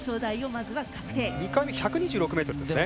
２回目、１２６ｍですね。